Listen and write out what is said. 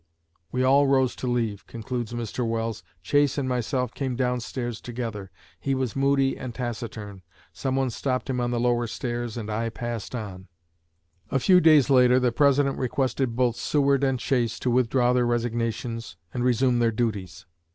We all rose to leave," concludes Mr. Welles. "Chase and myself came downstairs together. He was moody and taciturn. Someone stopped him on the lower stairs, and I passed on." A few days later, the President requested both Seward and Chase to withdraw their resignations and resume their duties.